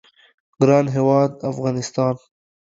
ګران هیواد افغانستان